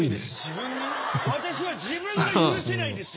私は自分が許せないんですよ。